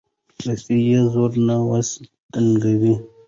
رستمان یې زور ته نه سوای ټینګېدلای